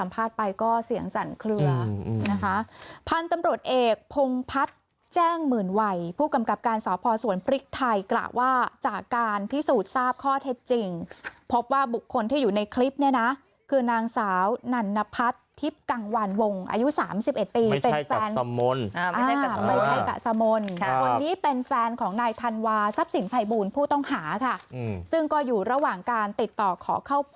พันธุ์ตำรวจเอกพงพัดแจ้งหมื่นวัยผู้กำกับการสาวพอสวนปริกไทยกล่าวว่าจากการพิสูจน์ทราบข้อเท็จจริงพบว่าบุคคลที่อยู่ในคลิปเนี่ยนะคือนางสาวนันนพัดทิพย์กังวันวงอายุ๓๑ปีไม่ใช่กับสมนตร์คนนี้เป็นแฟนของนายธันวาทรัพย์สินไทยบูรณ์ผู้ต้องหาค่ะซึ่งก็อยู่ระหว่างก